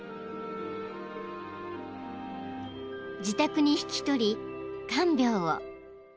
［自宅に引き取り看病を］